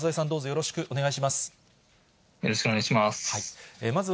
よろしくお願いします。